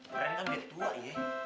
pernahnya kan dia tua ya